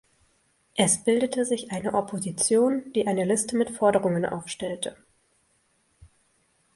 Es bildete sich eine Opposition, die eine Liste mit Forderungen aufstellte.